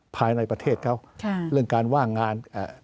ภายในประเทศเขาค่ะเรื่องการว่างงานอ่า